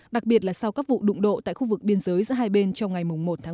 đặc biệt là sau các vụ đụng độ tại khu vực biên giới giữa hai bên trong ngày một tháng một mươi một